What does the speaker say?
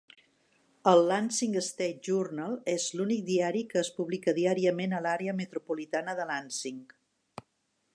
El "Lansing State Journal" es l'únic diari que es publica diàriament a l'àrea metropolitana de Lansing.